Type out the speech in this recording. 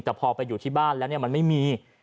แต่พอไปอยู่ที่บ้านแล้วมันไม่มี